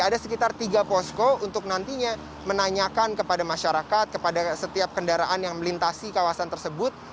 ada sekitar tiga posko untuk nantinya menanyakan kepada masyarakat kepada setiap kendaraan yang melintasi kawasan tersebut